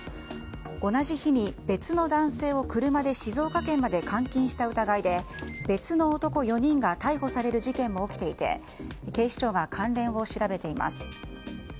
同じ日に別の男性を車で静岡県まで監禁した疑いで別の男４人が逮捕される事件も起きていて警視庁が関連を調べています。